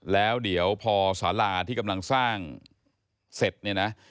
แล้วเดี๋ยวพอสาราที่กำลังสร้างเสร็จเนี่ยนะ